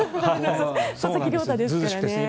佐々木亮太ですからね。